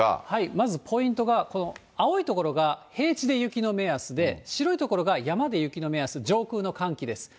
まずポイントが、この青い所が平地で雪の目安で、白い所が山で雪の目安、上空の寒気です。